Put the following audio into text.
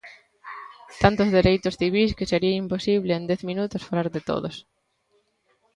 Tantos dereitos civís que sería imposible en dez minutos falar de todos.